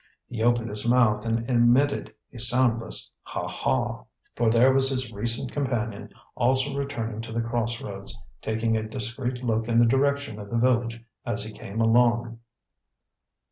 He opened his mouth and emitted a soundless "haw haw." For there was his recent companion also returning to the cross roads, taking a discreet look in the direction of the village as he came along.